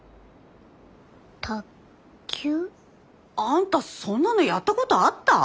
あんたそんなのやったことあった？